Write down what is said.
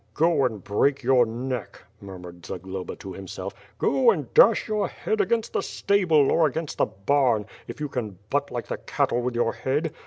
"(io and break your neck/' murmured Zagloba to himself. "Go and da^^h your head a^rainj^t the stable, or against the bam, if you can butt like the cattle with your head.